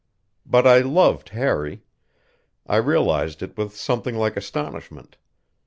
But I loved Harry; I realized it with something like astonishment.